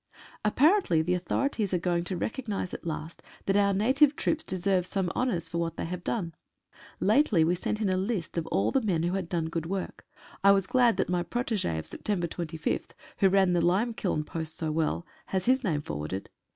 Apparently the authorities are going to recognise at last that our native troops deserve some honours for what they have done. Lately we sent in a list of all the men who had done good work. I was glad that my protege of September 25th, who ran the limekiln post so well, has his name forwarded.